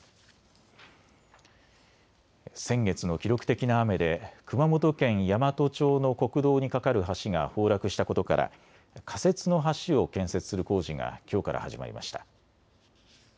先月の記録的な雨で熊本県山都町の国道に架かる橋が崩落したことから仮設の橋を建設する工事がきょうから始まりました。